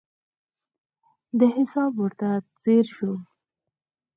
دې حساب ورته ځیر شو.